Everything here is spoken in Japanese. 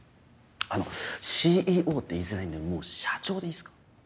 あの「ＣＥＯ」って言いづらいんでもう「社長」でいいっすか？